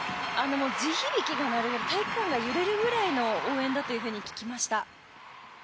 地響きが鳴る体育館が揺れるぐらいの応援だと聞きました。